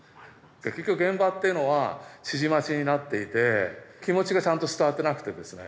結局現場っていうのは指示待ちになっていて気持ちがちゃんと伝わってなくてですね。